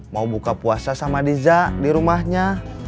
mau buka puasa sama diza di rumahnya